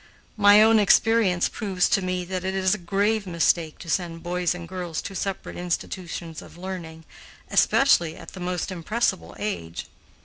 My own experience proves to me that it is a grave mistake to send boys and girls to separate institutions of learning, especially at the most impressible age.